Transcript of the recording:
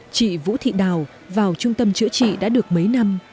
chị vũ thị đào vào trung tâm chữa trị đã được mấy năm